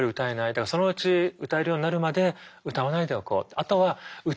だからそのうち歌えるようになるまで歌わないでおこう。